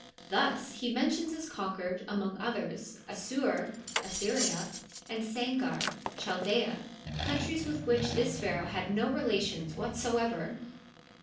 Thus he mentions as con auered, among others, Assur (Assyria) and Sangar (Chal aea), countries with which this pnaraoh had no relations whatsoever.